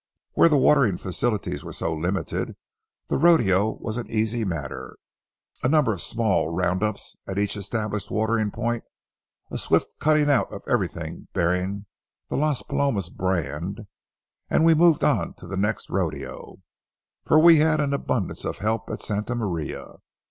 Where the watering facilities were so limited the rodeo was an easy matter. A number of small round ups at each established watering point, a swift cutting out of everything bearing the Las Palomas brand, and we moved on to the next rodeo, for we had an abundance of help at Santa Maria.